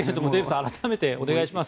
改めて、お願いします。